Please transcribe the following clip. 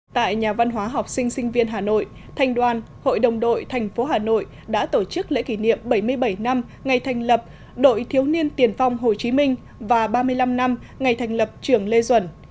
tại nhà văn hóa học sinh sinh viên hà nội thành đoàn hội đồng đội thành phố hà nội đã tổ chức lễ kỷ niệm bảy mươi bảy năm ngày thành lập đội thiếu niên tiền phong hồ chí minh và ba mươi năm năm ngày thành lập trường lê duẩn